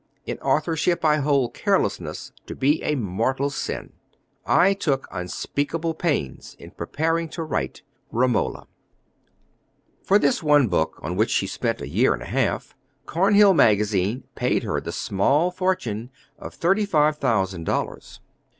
"In authorship I hold carelessness to be a mortal sin." "I took unspeakable pains in preparing to write Romola." For this one book, on which she spent a year and a half, Cornhill Magazine paid her the small fortune of thirty five thousand dollars.